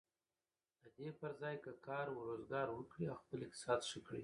د دې پر ځای که کار و روزګار وکړي او خپل اقتصاد ښه کړي.